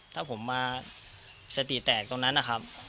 ถ้าผมมาสติแตกตรงนั้นนะครับ